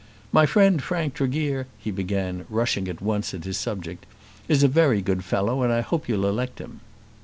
"My friend Frank Tregear," he began, rushing at once at his subject, "is a very good fellow, and I hope you'll elect him."